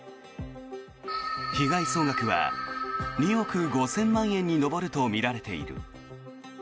被害総額は２億５０００万円に上るとみられている。